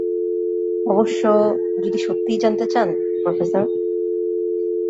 অবশ্য, যদি সত্যিই জানতে চান, প্রফেসর।